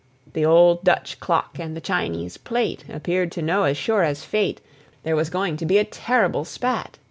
The old Dutch clock and the Chinese plate Appeared to know as sure as fate There was going to be a terrible spat.